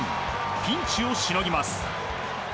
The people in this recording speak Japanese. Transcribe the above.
ピンチをしのぎます。